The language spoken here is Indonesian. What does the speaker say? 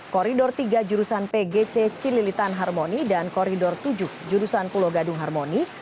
koridor tiga jurusan pgc cililitan harmoni dan koridor tujuh jurusan pulau gadung harmoni